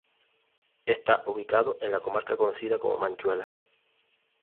Está ubicado en la comarca conocida como Manchuela.